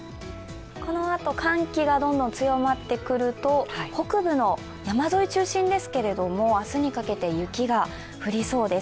このあと寒気がどんどん強まってくると、北部の山沿い中心に明日にかけて雪が降りそうです。